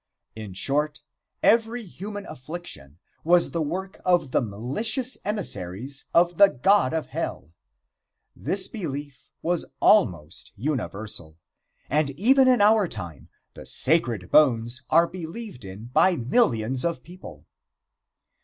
In short, every human affliction was the work of the malicious emissaries of the god of hell. This belief was almost universal, and even in our time the sacred bones are believed in by millions of people.